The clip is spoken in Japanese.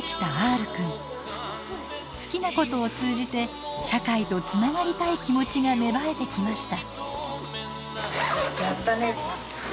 好きなことを通じて社会とつながりたい気持ちが芽生えてきました。